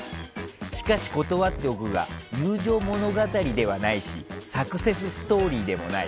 しかし、断っておくが友情物語ではないしサクセスストーリーではない。